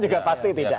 juga pasti tidak